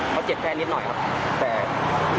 เขาเจ็บแค่นิดหน่อยครับ